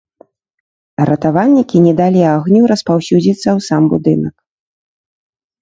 Ратавальнікі не далі агню распаўсюдзіцца ў сам будынак.